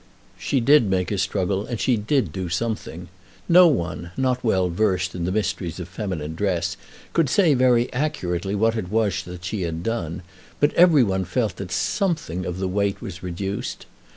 She did make a struggle, and she did do something. No one, not well versed in the mysteries of feminine dress, could say very accurately what it was that she had done; but every one felt that something of the weight was reduced.